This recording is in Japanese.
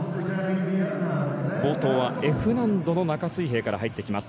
冒頭はＦ難度の中水平から入ってきます。